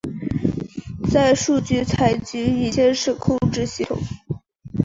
在数据采集与监视控制系统。